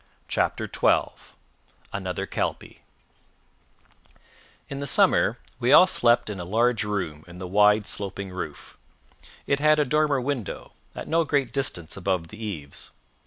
CHAPTER XII Another Kelpie In the summer we all slept in a large room in the wide sloping roof. It had a dormer window, at no great distance above the eaves.